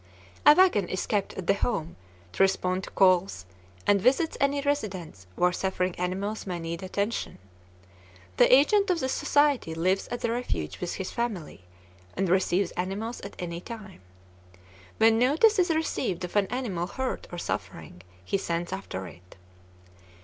A wagon is kept at the home to respond to calls, and visits any residence where suffering animals may need attention. The agent of the society lives at the refuge with his family, and receives animals at any time. When notice is received of an animal hurt or suffering, he sends after it.